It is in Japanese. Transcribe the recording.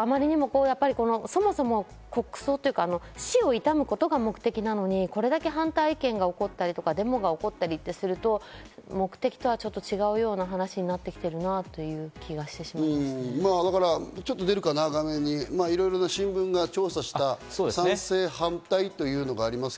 あまりにも、そもそも国葬というか、死を悼むことが目的なのにこれだけ反対意見が起こったりとか、デモが起こったりってすると、目的とはちょっと違うような話になってきてるなという気がしてしいろいろな新聞が調査した賛成・反対というのがあります。